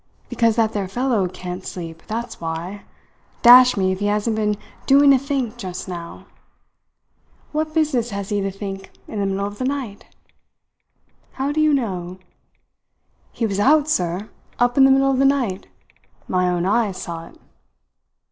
"Because that there fellow can't sleep that's why. Dash me if he hasn't been doing a think just now! What business has he to think in the middle of the night?" "How do you know?" "He was out, sir up in the middle of the night. My own eyes saw it."